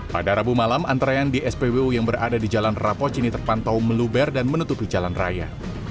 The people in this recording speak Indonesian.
pada rabu malam antrean di spbu yang berada di jalan rapoc ini terpantau meluber dan menutupi jalan raya